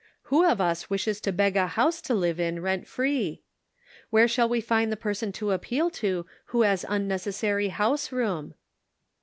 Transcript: Who of us wishes to beg a house to live in, rent free ? Where shall we find the person to appeal to, who has unnecessary house room